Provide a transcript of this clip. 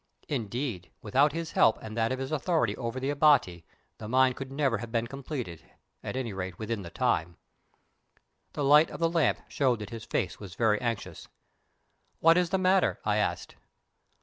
Indeed, without his help and that of his authority over the Abati the mine could never have been completed, at any rate within the time. The light of the lamp showed that his face was very anxious. "What is the matter?" I asked.